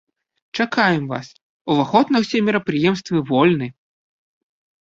Чакаем вас, уваход на ўсе мерапрыемствы вольны!